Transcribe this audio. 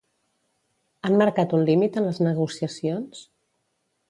Han marcat un límit en les negociacions?